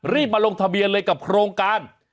มาลงทะเบียนเลยกับโครงการ